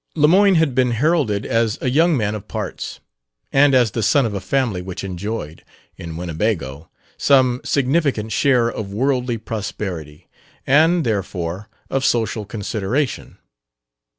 Lemoyne had been heralded as a young man of parts, and as the son of a family which enjoyed, in Winnebago, some significant share of worldly prosperity, and, therefore, of social consideration.